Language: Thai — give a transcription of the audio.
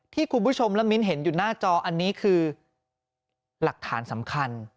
ที่คุณผู้ชมและมิ้นเห็นอยู่หน้าจออันนี้คือหลักฐานสำคัญ